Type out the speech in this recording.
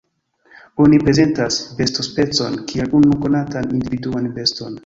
Oni prezentas bestospecon kiel unu konatan individuan beston.